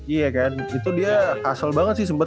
iya kan itu dia hassle banget sih